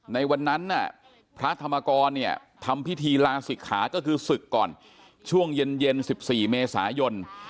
ในวันนั้นพระธรรมกรเนี่ยทำพิธีลาศิกขาก็คือศึกก่อนช่วงเย็น๑๔เมษายน